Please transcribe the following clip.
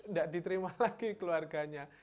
tidak diterima lagi keluarganya